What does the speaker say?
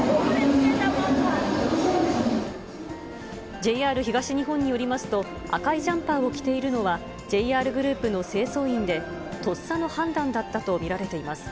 ＪＲ東日本によりますと、赤いジャンパーを着ているのは、ＪＲグループの清掃員で、とっさの判断だったと見られています。